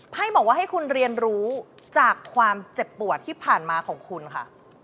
บอกว่าให้คุณเรียนรู้จากความเจ็บปวดที่ผ่านมาของคุณค่ะ